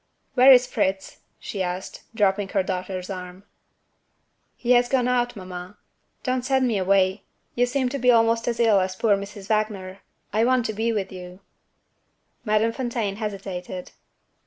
"Where is Fritz?" she asked, dropping her daughter's arm. "He has gone out, mamma. Don't send me away! You seem to be almost as ill as poor Mrs. Wagner I want to be with you." Madame Fontaine hesitated.